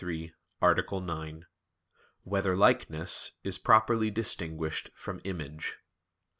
93, Art. 9] Whether "Likeness" Is Properly Distinguished from "Image"?